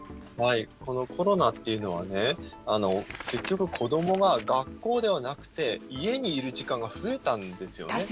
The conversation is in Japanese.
このコロナっていうのは結局、子どもが学校ではなくて、家にいる時間が増えたんですよね。